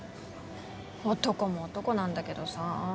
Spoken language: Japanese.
男も男なんだけどさ。